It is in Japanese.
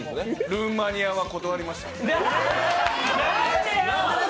ルーマニアは断りました。